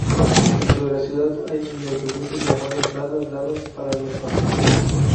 Dentro de la ciudad, hay mini-autobuses llamados Dalas-Dalas para los pasajeros.